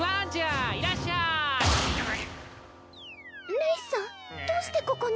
レイさんどうしてここに？